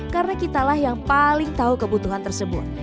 karena kitalah yang paling tahu kebutuhan tersebut